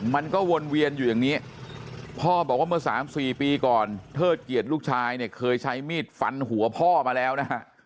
มันก็วนเวียนอยู่อย่างนี้พ่อบอกว่าเมื่อ๓๔ปีก่อนเทิดเกียรติลูกชายเนี่ยเคยใช้มีดฟันหัวพ่อมาแล้วนะฮะ